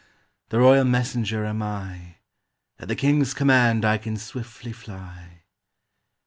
The Royal Messenger am I! At the King's command I can swiftly fly.